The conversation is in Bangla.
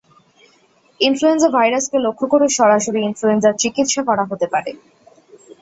ইনফ্লুয়েঞ্জা ভাইরাসকে লক্ষ্য করে সরাসরি ইনফ্লুয়েঞ্জার চিকিৎসা করা হতে পারে।